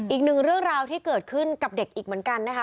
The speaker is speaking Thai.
อีกหนึ่งเรื่องราวที่เกิดขึ้นกับเด็กอีกเหมือนกันนะคะ